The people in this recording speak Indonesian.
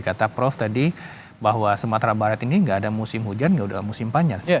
kata prof tadi bahwa sumatera barat ini nggak ada musim hujan nggak udah musim panjang